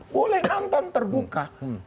boleh nonton terbuka